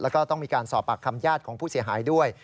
แล้วก็ต้องมีการสอบปากคำญาติของผู้เสียหายด้วย